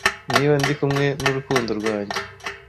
niba ndi kumwe n'urukundo rwanjye